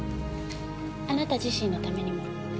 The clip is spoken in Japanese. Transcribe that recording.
あなた自身のためにも。